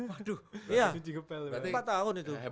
aduh ya tidak ada kunci ngepel